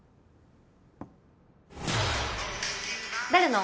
誰の？